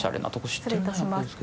失礼いたします。